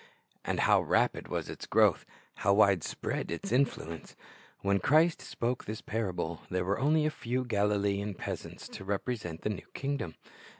And how rapid was its growth, how wide spread its influence! When Christ spoke this parable, there were only a few Galilean peasants to represent the new kingdom.